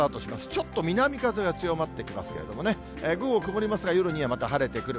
ちょっと南風が強まってきますけれどもね、午後曇りますが、夜にはまた晴れてくる。